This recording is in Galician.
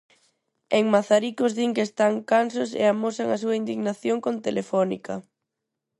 En Mazaricos din que están cansos e amosan a súa indignación con Telefónica.